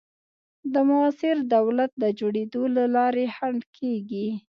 د موثر دولت د جوړېدو د لارې خنډ کېږي.